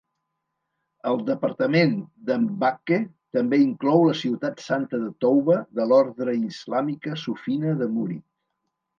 El departament de Mbacke també inclou la ciutat Santa de Touba de l'ordre islàmica sufina de Murid.